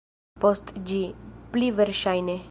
Post ĝi, pli verŝajne.